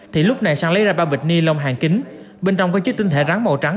thì lúc này sang lấy ra bao bịch ni lông hàng kính bên trong có chứa tinh thể rắn màu trắng